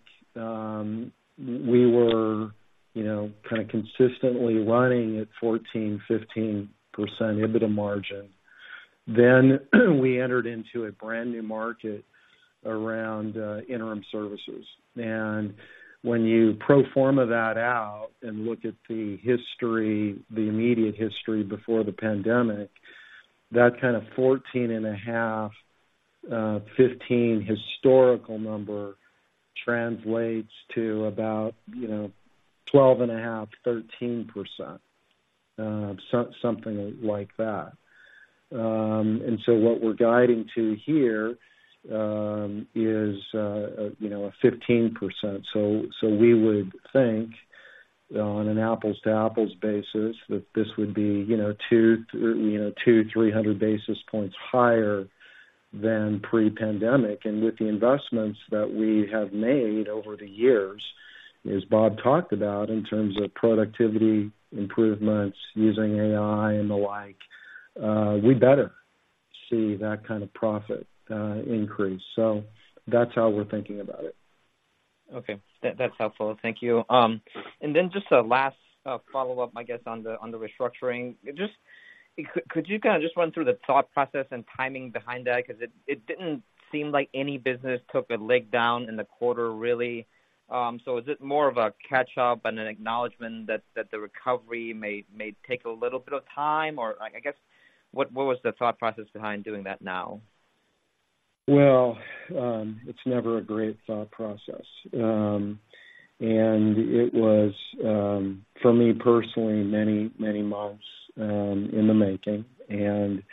we were, you know, kind of consistently running at 14, 15% EBITDA margin. Then, we entered into a brand-new market around Interim Services. And when you pro forma that out and look at the history, the immediate history before the pandemic, that kind of 14.5, 15 historical number translates to about, you know, 12.5, 13%, so something like that. And so what we're guiding to here is, you know, a 15%. So we would think on an apples-to-apples basis, that this would be, you know, 200-300 basis points higher than pre-pandemic. And with the investments that we have made over the years, as Bob talked about, in terms of productivity improvements, using AI and the like, we better see that kind of profit increase. So that's how we're thinking about it. Okay, that's helpful. Thank you. And then just a last follow-up, I guess, on the restructuring. Just, could you kind of just run through the thought process and timing behind that? Because it didn't seem like any business took a leg down in the quarter, really. So is it more of a catch up and an acknowledgement that the recovery may take a little bit of time, or I guess, what was the thought process behind doing that now? Well, it's never a great thought process. And it was, for me personally, many, many months in the making. And,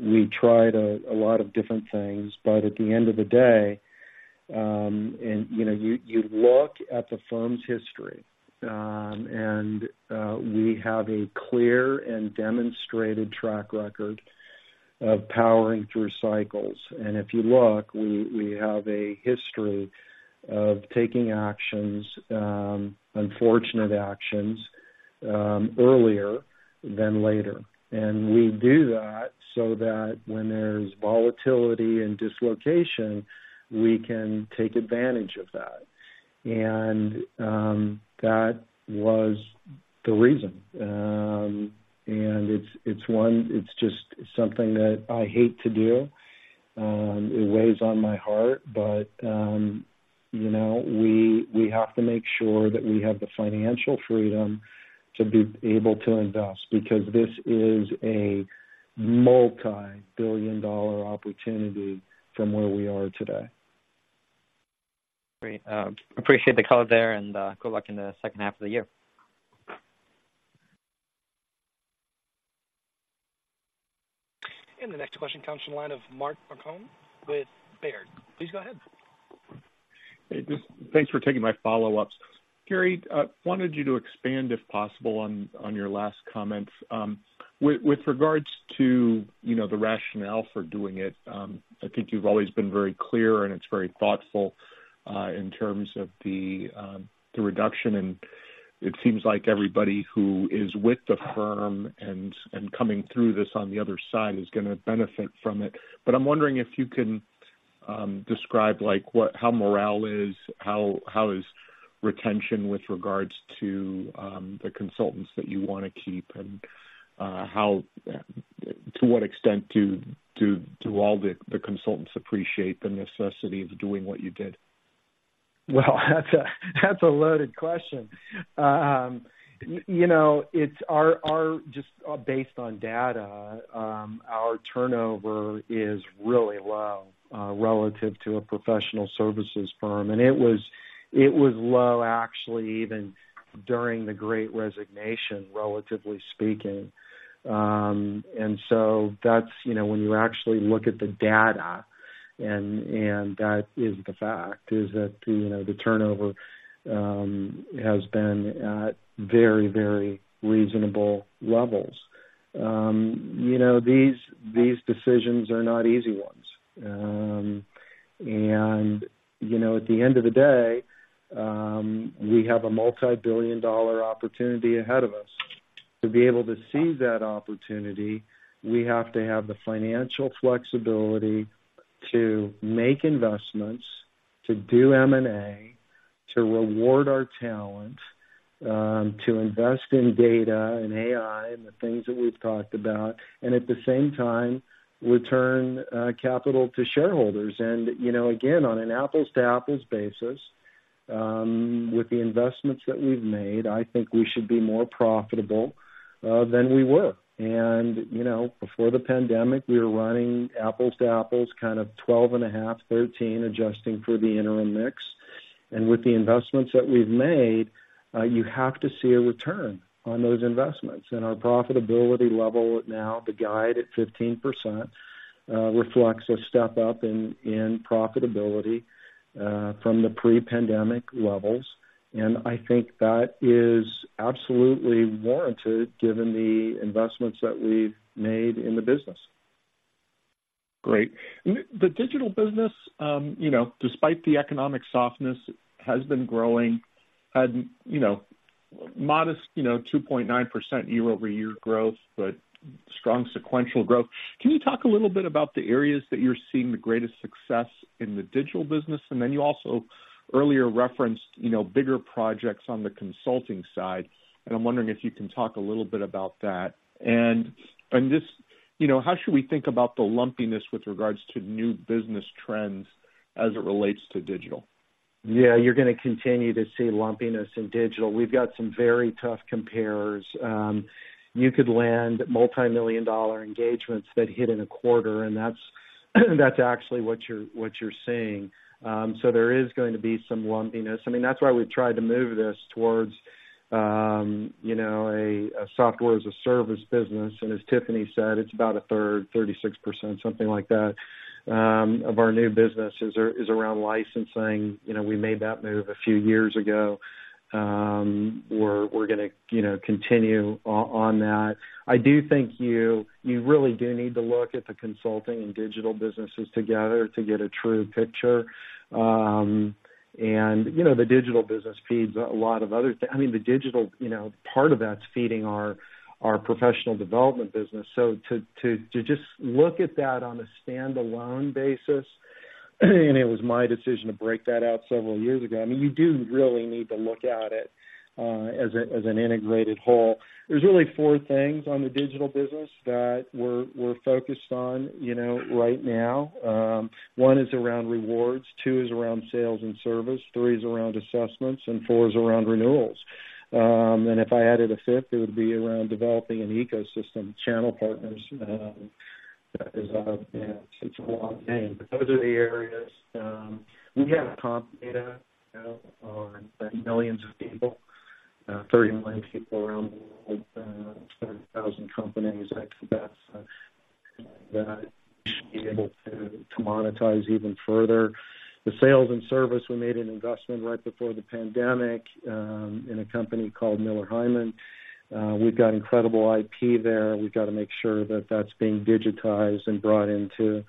we tried a lot of different things, but at the end of the day, and, you know, you look at the firm's history, and, we have a clear and demonstrated track record of powering through cycles. And if you look, we have a history of taking actions, unfortunate actions, earlier than later. And we do that so that when there's volatility and dislocation, we can take advantage of that. And, that was the reason. And it's just something that I hate to do. It weighs on my heart, but, you know, we have to make sure that we have the financial freedom to be able to invest, because this is a multi-billion dollar opportunity from where we are today. Great. Appreciate the color there, and good luck in the second half of the year. The next question comes from the line of Mark Marcon, with Baird. Please go ahead. Hey, just thanks for taking my follow-ups. Gary, wanted you to expand, if possible, on your last comments. With regards to, you know, the rationale for doing it, I think you've always been very clear, and it's very thoughtful in terms of the reduction, and it seems like everybody who is with the firm and coming through this on the other side is gonna benefit from it. But I'm wondering if you can describe, like, how morale is, how is retention with regards to the consultants that you wanna keep, and how, to what extent do all the consultants appreciate the necessity of doing what you did? Well, that's a loaded question. You know, it's just based on data, our turnover is really low relative to a professional services firm. And it was low actually even during the Great Resignation, relatively speaking. And so that's, you know, when you actually look at the data, and that is the fact is that, you know, the turnover has been at very, very reasonable levels. You know, these decisions are not easy ones. And, you know, at the end of the day, we have a multi-billion dollar opportunity ahead of us. To be able to seize that opportunity, we have to have the financial flexibility to make investments, to do M&A, to reward our talent, to invest in data and AI and the things that we've talked about, and at the same time, return capital to shareholders. You know, again, on an apples to apples basis, with the investments that we've made, I think we should be more profitable than we were. You know, before the pandemic, we were running apples to apples, kind of 12.5, 13, adjusting for the Interim mix. And with the investments that we've made, you have to see a return on those investments. Our profitability level now, the guide at 15%, reflects a step up in profitability from the pre-pandemic levels, and I think that is absolutely warranted given the investments that we've made in the business. Great. The Digital business, you know, despite the economic softness, has been growing and, you know, modest, you know, 2.9% year-over-year growth, but strong sequential growth. Can you talk a little bit about the areas that you're seeing the greatest success in the Digital business? And then you also earlier referenced, you know, bigger projects on the Consulting side, and I'm wondering if you can talk a little bit about that. And, and just, you know, how should we think about the lumpiness with regards to new business trends as it relates to digital? Yeah, you're gonna continue to see lumpiness in digital. We've got some very tough compares. You could land multimillion dollar engagements that hit in a quarter, and that's actually what you're seeing. So there is going to be some lumpiness. I mean, that's why we've tried to move this towards, you know, a software-as-a-service business. And as Tiffany said, it's about a third, 36%, something like that, of our new business is around licensing. You know, we made that move a few years ago. We're gonna, you know, continue on that. I do think you really do need to look at the Consulting and digital businesses together to get a true picture. And, you know, the digital business feeds a lot of other things. I mean, the digital, you know, part of that's feeding our professional development business. So to just look at that on a standalone basis, and it was my decision to break that out several years ago, I mean, you do really need to look at it as an integrated whole. There's really four things on the digital business that we're focused on, you know, right now. One is around rewards, two is around sales and service, three is around assessments, and four is around renewals. And if I added a fifth, it would be around developing an ecosystem, channel partners, that is, yeah, it's a long name, but those are the areas. We have comp data on millions of people, 30 million people around the world, 30,000 companies. I think that's that should be able to monetize even further. The sales and service, we made an investment right before the pandemic in a company called Miller Heiman. We've got incredible IP there. We've got to make sure that that's being digitized and brought into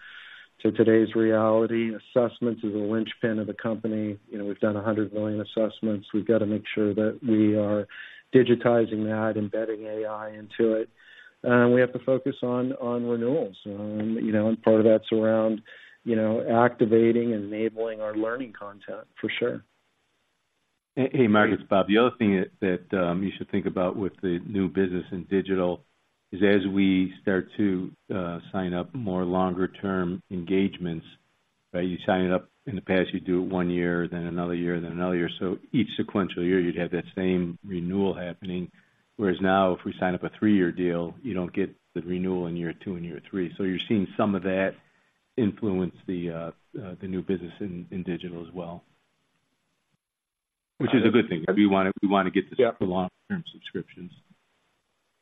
today's reality. Assessments is a linchpin of the company. You know, we've done 100 million assessments. We've got to make sure that we are digitizing that, embedding AI into it, and we have to focus on renewals. You know, and part of that's around activating and enabling our learning content for sure. Hey, Mark, it's Bob. The other thing that you should think about with the new business in digital is as we start to sign up more longer-term engagements, right? You sign it up in the past, you do it one year, then another year, then another year. So each sequential year, you'd have that same renewal happening. Whereas now, if we sign up a three-year deal, you don't get the renewal in year two and year three. So you're seeing some of that influence the new business in digital as well. Which is a good thing. We wanna get this- Yeah. For long-term subscriptions.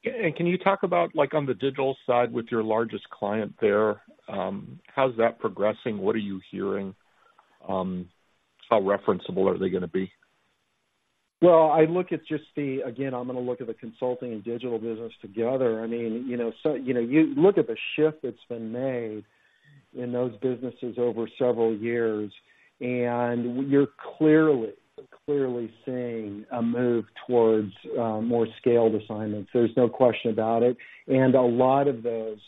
Can you talk about, like, on the digital side with your largest client there, how's that progressing? What are you hearing? How referenceable are they gonna be? Again, I'm gonna look at the Consulting and digital business together. I mean, you know, so, you know, you look at the shift that's been made in those businesses over several years, and you're clearly, clearly seeing a move towards more scaled assignments. There's no question about it. And a lot of those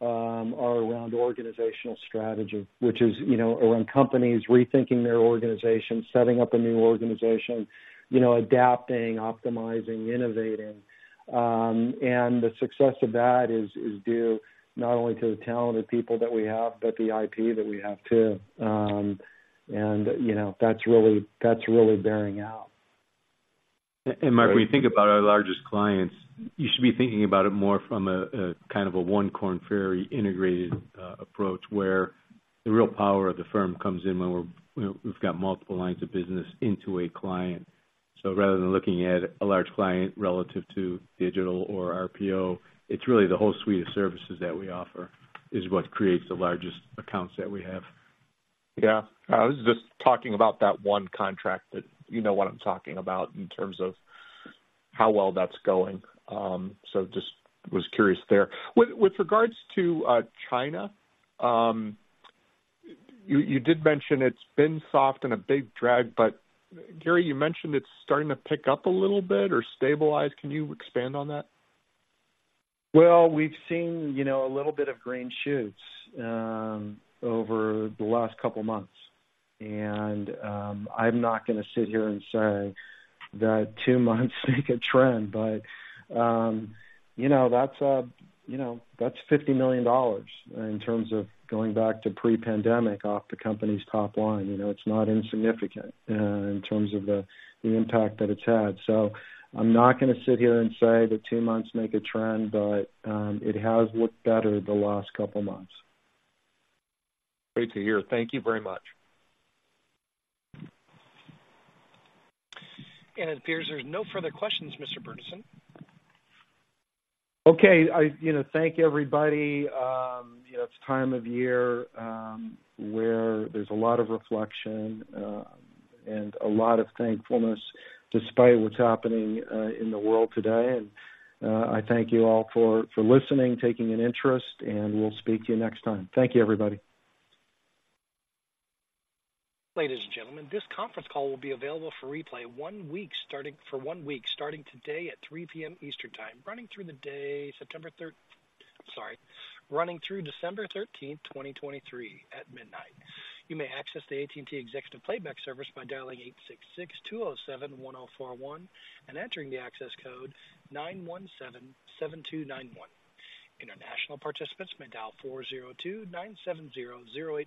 are around organizational strategy, which is, you know, around companies rethinking their organization, setting up a new organization, you know, adapting, optimizing, innovating. And the success of that is due not only to the talented people that we have, but the IP that we have, too. And, you know, that's really, that's really bearing out. Mark, when you think about our largest clients, you should be thinking about it more from a kind of a One Korn Ferry integrated approach, where the real power of the firm comes in when we're, you know, we've got multiple lines of business into a client. So rather than looking at a large client relative to digital or RPO, it's really the whole suite of services that we offer is what creates the largest accounts that we have. Yeah. I was just talking about that one contract that you know what I'm talking about, in terms of how well that's going. So just was curious there. With regards to China, you did mention it's been soft and a big drag, but Gary, you mentioned it's starting to pick up a little bit or stabilize. Can you expand on that? Well, we've seen, you know, a little bit of green shoots over the last couple of months. And, I'm not gonna sit here and say that two months make a trend, but, you know, that's, you know, that's $50 million in terms of going back to pre-pandemic off the company's top line. You know, it's not insignificant in terms of the impact that it's had. So I'm not gonna sit here and say that two months make a trend, but, it has looked better the last couple of months. Great to hear. Thank you very much. It appears there's no further questions, Mr. Burnison. Okay. You know, thank everybody. You know, it's time of year where there's a lot of reflection and a lot of thankfulness, despite what's happening in the world today. And I thank you all for listening, taking an interest, and we'll speak to you next time. Thank you, everybody. Ladies and gentlemen, this conference call will be available for replay for one week, starting today at 3 P.M. Eastern Time. I'm sorry, running through December thirteenth, 2023, at midnight. You may access the AT&T Executive Playback Service by dialing 866-207-1041 and entering the access code 917-7291. International participants may dial 402-970-0847.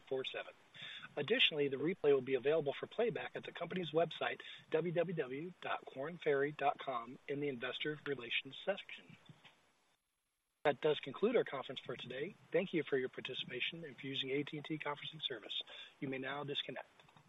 Additionally, the replay will be available for playback at the company's website, www.kornferry.com, in the investor relations section. That does conclude our conference for today. Thank you for your participation and for using AT&T conferencing service. You may now disconnect.